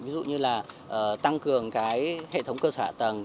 ví dụ như là tăng cường hệ thống cơ sở hạ tầng